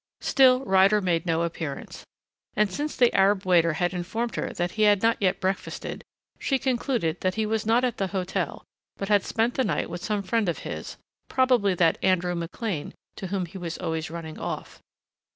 Still Ryder made no appearance and since the Arab waiter had informed her that he had not yet breakfasted she concluded that he was not at the hotel but had spent the night with some friend of his probably that Andrew McLean to whom he was always running off.